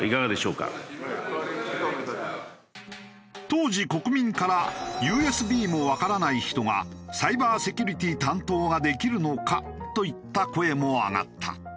当時国民から「ＵＳＢもわからない人がサイバーセキュリティ担当ができるのか？」といった声も上がった。